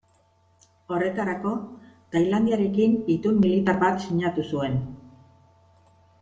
Horretarako, Thailandiarekin itun militar bat sinatu zuen.